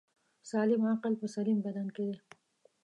سالم عقل په سلیم بدن کی دی